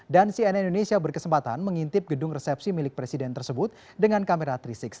dan cnn indonesia berkesempatan mengintip gedung resepsi milik presiden tersebut dengan kamera tiga ratus enam puluh